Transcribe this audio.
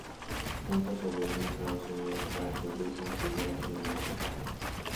Juntos volvieron a Estados Unidos para que Bryson pudiera terminar su carrera.